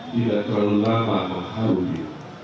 tidak terlalu lama mengharungi